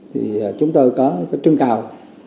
thì chúng tôi có trưng cào